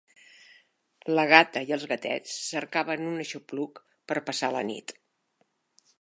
La gata i els gatets cercaven un aixopluc per passar la nit